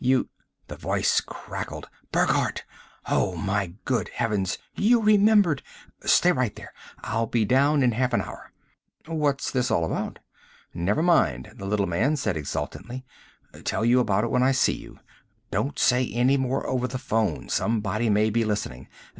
You " The voice crackled: "Burckhardt! Oh, my good heavens, you remember! Stay right there I'll be down in half an hour!" "What's this all about?" "Never mind," the little man said exultantly. "Tell you about it when I see you. Don't say any more over the phone somebody may be listening.